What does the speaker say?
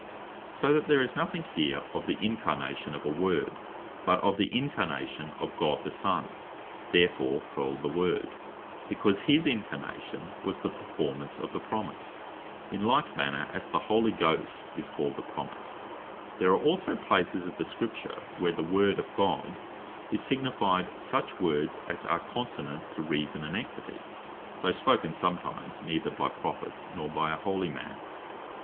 So that there is nothing here of the Incarnation of a Word, but of the Incarnation of God the Son, therefore called the Word, because his Incarnation was the Performance of the Promise; In like manner as the Holy Ghost is called The Promise. (Acts 1.4. Luke 24.49.) Thirdly, For The Words Of Reason And Equity There are also places of the Scripture, where, by the Word of God, is signified such Words as are consonant to reason, and equity, though spoken sometimes neither by prophet, nor by a holy man.